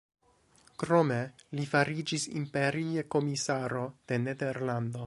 Krome li fariĝis imperia komisaro de Nederlando.